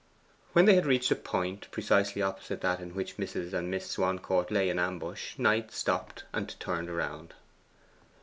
When they had reached a point precisely opposite that in which Mrs. and Miss Swancourt lay in ambush, Knight stopped and turned round.